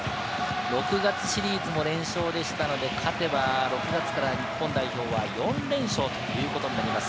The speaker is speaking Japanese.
６月シリーズも連勝でしたので、勝てば、６月から日本代表は４連勝ということになります。